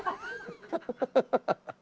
ハハハハハ！